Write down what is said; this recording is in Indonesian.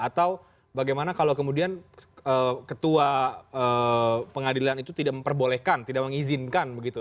atau bagaimana kalau kemudian ketua pengadilan itu tidak memperbolehkan tidak mengizinkan begitu